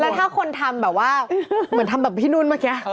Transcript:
แล้วถ้าคนทำแบบว่าเหมือนทำแบบพี่นุ่นเมื่อกี้